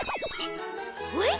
えっ？